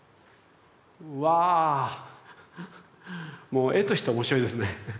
うわぁもう絵として面白いですね。